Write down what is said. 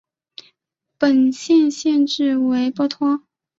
本县县治为波托。